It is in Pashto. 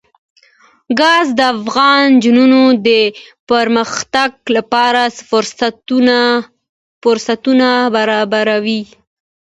ګاز د افغان نجونو د پرمختګ لپاره فرصتونه برابروي.